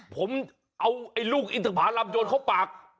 ผมเอาลูกอินเตอร์ภาลำโจรเข้าปาก